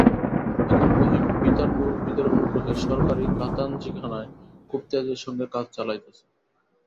এখন মহিম পিতার মুরুব্বিদের অনুগ্রহে সরকারি খাতাঞ্জিখানায় খুব তেজের সঙ্গে কাজ চালাইতেছে।